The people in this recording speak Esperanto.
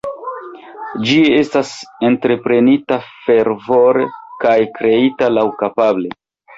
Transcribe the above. Ĝi estas entreprenita fervore kaj kreita laŭkapable.